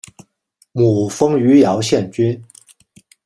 母封余姚县君。